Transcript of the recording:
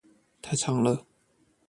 太長了